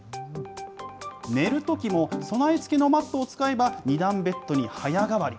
寝るときも、備え付けのマットを使えば、２段ベッドに早変わり。